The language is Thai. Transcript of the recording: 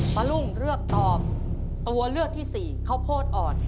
ลุงเลือกตอบตัวเลือกที่สี่ข้าวโพดอ่อน